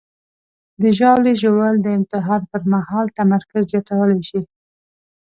د ژاولې ژوول د امتحان پر مهال تمرکز زیاتولی شي.